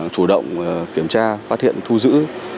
chủ động kiểm tra phát hiện thu giữ